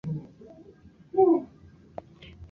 ee viwanda vinavyo uza nchi za nje